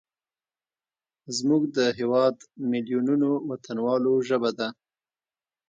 زموږ د هیواد میلیونونو وطنوالو ژبه ده.